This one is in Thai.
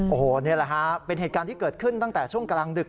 โอ้โหนี่แหละฮะเป็นเหตุการณ์ที่เกิดขึ้นตั้งแต่ช่วงกลางดึก